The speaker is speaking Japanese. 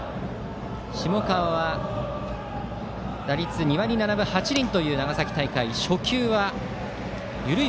下川は打率２割７分８厘という長崎大会。